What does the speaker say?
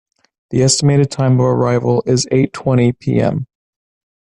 The estimated time of arrival is eight twenty pm.